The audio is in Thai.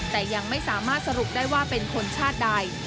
แต่ยังไม่สามารถสรุปได้ว่าเป็นคนชาติใด